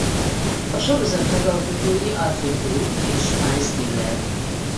A sorozat megalkotói Alfred Gough és Miles Millar.